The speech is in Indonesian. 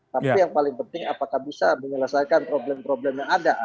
tapi yang paling penting apakah bisa menyelesaikan problem problem yang ada